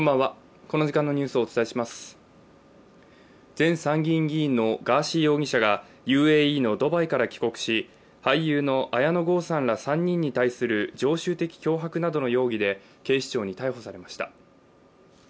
前参議院議員のガーシー容疑者がＵＡＥのドバイから帰国し俳優の綾野剛さんら３人に対する常習的脅迫などの容疑で警視庁に逮捕されました。